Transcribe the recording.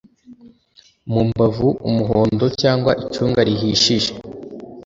mumbavu Umuhondo cg icunga rihishije